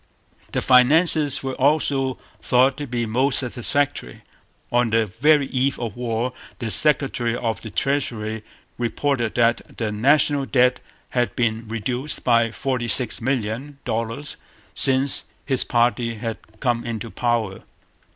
The finances were also thought to be most satisfactory. On the very eve of war the Secretary of the Treasury reported that the national debt had been reduced by forty six million dollars since his party had come into power.